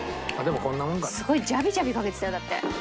すごいジャビジャビかけてたよだって。